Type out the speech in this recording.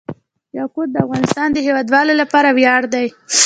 یاقوت د افغانستان د هیوادوالو لپاره ویاړ دی.